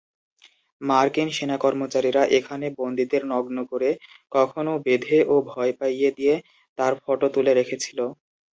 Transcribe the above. মার্কিন সেনা কর্মচারীরা এখানে বন্দীদের নগ্ন করে, কখনও বেঁধে ও ভয় পাইয়ে দিয়ে তার ফটো তুলে রেখেছিল।